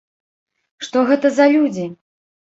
Што гэта за людзі?